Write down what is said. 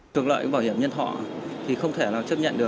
thuộc lợi bảo hiểm nhân thọ thì không thể nào chấp nhận được